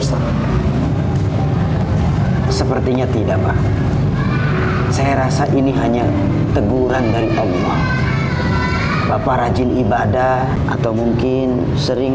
sepertinya tidak pak saya rasa ini hanya teguran dari agama bapak rajin ibadah atau mungkin sering